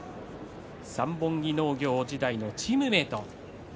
三本木農業時代のチームメート。